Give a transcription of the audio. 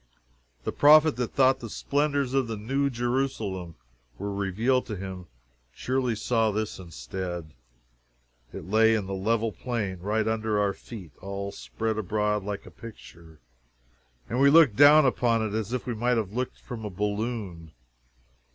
The prophet that thought the splendors of the New Jerusalem were revealed to him, surely saw this instead! It lay in the level plain right under our feet all spread abroad like a picture and we looked down upon it as we might have looked from a balloon.